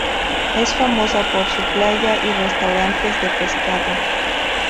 Es famosa por su playa y restaurantes de pescado.